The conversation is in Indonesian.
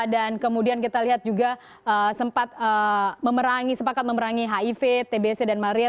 dan kemudian kita lihat juga sempat memerangi sepakat memerangi hiv tbc dan mabuk